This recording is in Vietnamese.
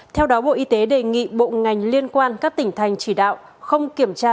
theo đó bộ y tế đề nghị bộ ngành liên quan các tỉnh thành chỉ đạo không kiểm tra